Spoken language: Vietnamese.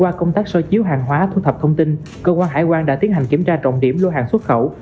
qua công tác so chiếu hàng hóa thu thập thông tin cơ quan hải quan đã tiến hành kiểm tra trọng điểm lô hàng xuất khẩu